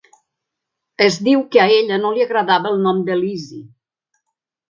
Es diu que a ella no li agradava el nom de Lizzie.